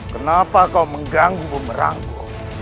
kenapa kau mengganggu bumerangku